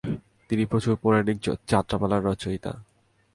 তিনি প্রচুর পৌরাণিক যাত্রাপালার রচয়িতা।